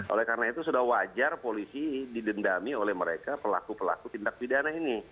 oleh karena itu sudah wajar polisi didendami oleh mereka pelaku pelaku tindak pidana ini